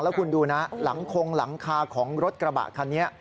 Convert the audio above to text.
แล้วคุณดูนะหลังคงหลังคาของรถกระบะคันนี้